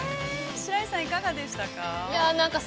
◆白石さん、いかがでしたか。